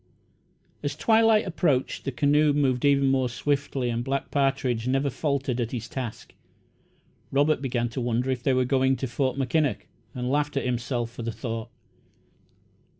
As twilight approached, the canoe moved even more swiftly and Black Partridge never faltered at his task. Robert began to wonder if they were going to Fort Mackinac, and laughed at himself for the thought.